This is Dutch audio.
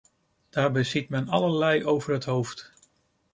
Daarbij ziet men allerlei over het hoofd.